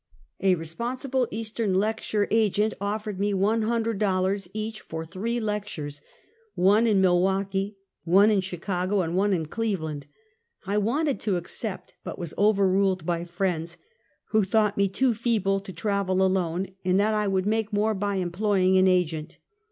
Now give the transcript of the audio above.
A responsible Eastern lecture agent offered me one hundred dollars each for three lectures, one in Mil waukee, one in Chicago and one in Cleveland. I wanted to accept, but was overruled by friends, who thought me too feeble to travel alone, and that I would make more by employing an agent.